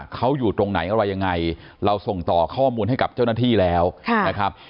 เขาอยู่ตรงไหนอะไรยังไงเราส่งต่อข้อมูลให้กับเจ้าหน้าที่แล้วนะครับ